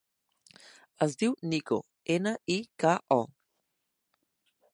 Es diu Niko: ena, i, ca, o.